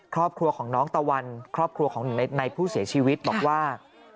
ครอบครัวของน้องตะวันครอบครัวของหนึ่งในผู้เสียชีวิตบอกว่า